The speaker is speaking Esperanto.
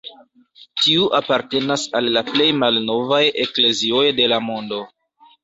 Tiu apartenas al la plej malnovaj eklezioj de la mondo.